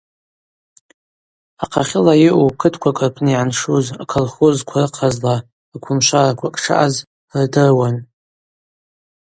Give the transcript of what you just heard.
Ахъахьыла йаъу кытквакӏ рпны йгӏаншуз аколхозква рыхъазла аквымшвараквакӏ шаъаз рдыруан.